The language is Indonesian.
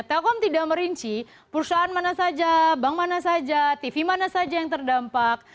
telkom tidak merinci perusahaan mana saja bank mana saja tv mana saja yang terdampak